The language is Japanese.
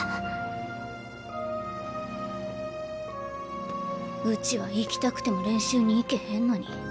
心の声うちは行きたくても練習に行けへんのに。